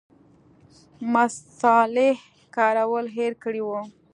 مصالې کارول هېر کړي وو.